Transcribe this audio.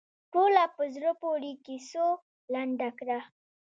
ټوله په زړه پورې کیسو لنډه کړه.